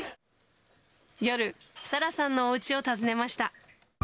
夜、サラさんのおうちを訪ねました。